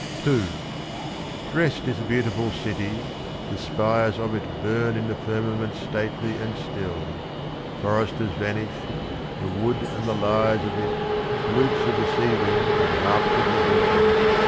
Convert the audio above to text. II Dressed is the beautiful city the spires of it Burn in the firmament stately and still; Forest has vanished the wood and the lyres of it, Lutes of the sea wind and harps of the hill.